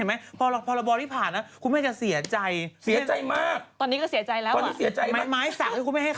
ที่ไม่ต้องพี่ปลูกใหม่ริ้มปลูก